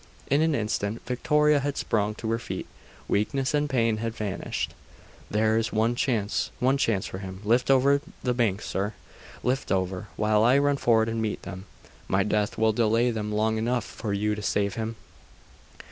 In an instant Victoria had sprung to her feet weakness and pain had vanished. 'There is one chance one chance for him! Lift over the bank, sir! Lift over, while I run forward and meet them. My death will delay them long enough for you to save him!